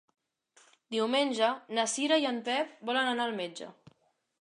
Diumenge na Cira i en Pep volen anar al metge.